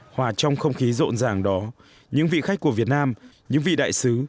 hòa trong không khí rộn ràng đó những vị khách của việt nam những vị đại sứ